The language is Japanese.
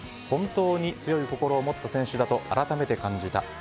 本当に強い心を持った選手だと改めて感じた。